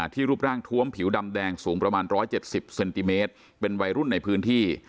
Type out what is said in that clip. รูปร่างทวมผิวดำแดงสูงประมาณ๑๗๐เซนติเมตรเป็นวัยรุ่นในพื้นที่